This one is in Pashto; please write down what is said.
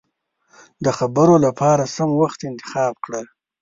د خبرو له پاره سم وخت انتخاب کړه.